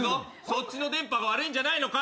そっちの電波が悪いんじゃないのか？